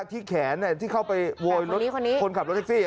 ที่แขนที่เข้าไปโวยรถคนขับรถแท็กซี่